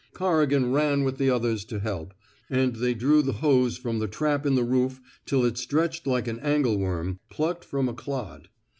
Corrigan ran with the others to help, and they drew the hose from the trap in the roof till it stretched like an angleworm, plucked from a clod.